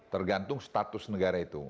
tergantung status negara itu